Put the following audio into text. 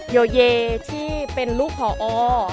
โยเยที่เป็นลูกผอ